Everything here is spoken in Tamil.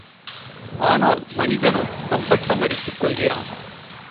ஆனால் மனிதனோ தம்பட்டம் அடித்துக்கொள்கிறான்.